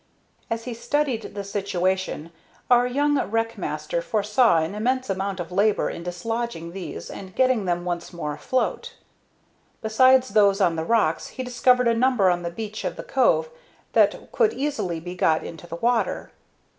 As he studied the situation, our young wreck master foresaw an immense amount of labor in dislodging these and getting them once more afloat. Besides those on the rocks he discovered a number on the beach of the cove that could easily be got into the water.